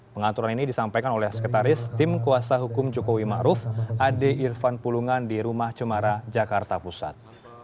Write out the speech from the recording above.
pengaturan ini disampaikan oleh sekretaris tim kuasa hukum jokowi ma'ruf adi irfan pulungan di rumah cemara jakarta pusat